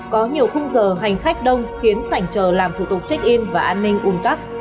có nhiều không giờ hành khách đông khiến sảnh chờ làm thủ tục check in và an ninh ung tắc